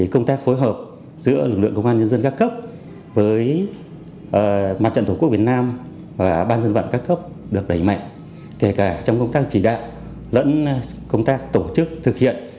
công tác phối hợp giữa lực lượng công an nhân dân các cấp với mặt trận tổ quốc việt nam và ban dân vận các cấp được đẩy mạnh kể cả trong công tác chỉ đạo lẫn công tác tổ chức thực hiện